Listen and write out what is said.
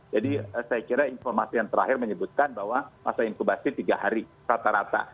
saya kira informasi yang terakhir menyebutkan bahwa masa inkubasi tiga hari rata rata